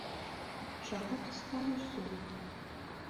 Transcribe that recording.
Чаго ты скаліш зубы?